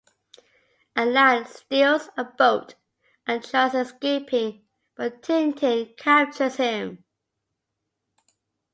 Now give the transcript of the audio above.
Allan steals a boat and tries escaping, but Tintin captures him.